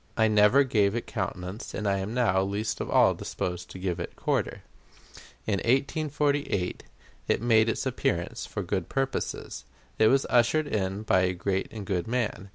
I never gave it countenance, and I am now least of all disposed to give it quarter. In 1848 it made its appearance for good purposes. It was ushered in by a great and good man.